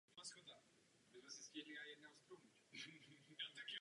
Je těžké, aby si uchovalo důvěru v mezinárodní společenství.